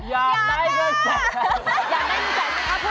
อยากได้เงินแสน